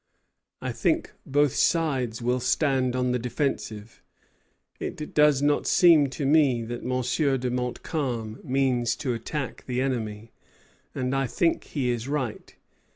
I think both sides will stand on the defensive. It does not seem to me that M. de Montcalm means to attack the enemy; and I think he is right.